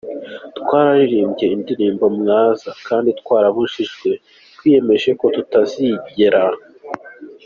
twararirimbye indirimbo ‘Mwanza’ kandi twarabibujijwe, twiyemeje ko tutazigera